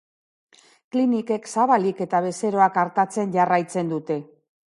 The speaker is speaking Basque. Klinikek zabalik eta bezeroak artatzen jarraitzen dute.